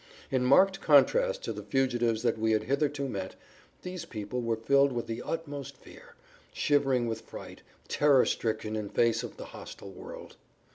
In marked contrast to the fugitives that we had hitherto met, these people were filled with the utmost fear, shivering with fright, terror stricken in face of the hostile world.